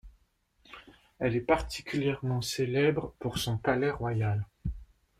Elle est particulièrement célèbre pour son palais royal.